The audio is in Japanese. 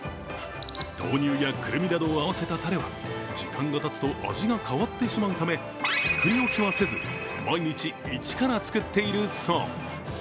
豆乳やくるみなどを合わせたたれは時間がたつと味が変わってしまうため、作りおきはせず、毎日一から作っているそう。